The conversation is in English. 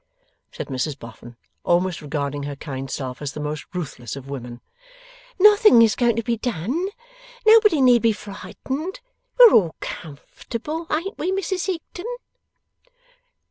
said Mrs Boffin, almost regarding her kind self as the most ruthless of women. 'Nothing is going to be done. Nobody need be frightened. We're all comfortable; ain't we, Mrs Higden?